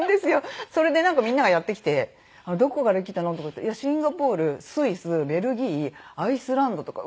それでみんながやって来て「どこから来たの？」とかって。「シンガポール」「スイス」「ベルギー」「アイスランド」とか。